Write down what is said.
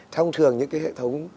thông thường những cái hệ thống